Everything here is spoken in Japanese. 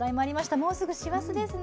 もうすぐ師走ですね。